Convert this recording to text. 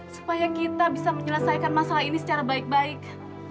supaya kita bisa menyelesaikan masalah ini secara baik baik